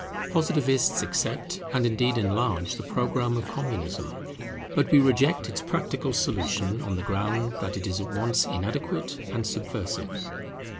Positivists accept, and indeed enlarge, the programme of Communism; but we reject its practical solution on the ground that it is at once inadequate and subversive.